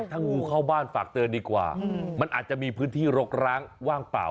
ถ้างูเข้าบ้านฝากเตือนดีกว่ามันอาจจะมีพื้นที่รกร้างว่างเปล่า